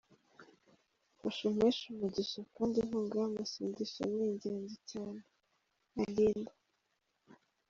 mfasha umpeshe umugisha kandi inkunga yamasengesho ni ingenzi cyane, Aline.